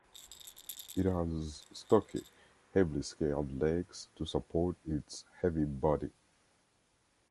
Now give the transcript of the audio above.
It has stocky, heavily scaled legs to support its heavy body.